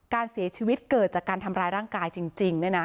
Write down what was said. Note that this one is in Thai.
การเสียชีวิตเกิดจากการทำร้ายร่างกายจริง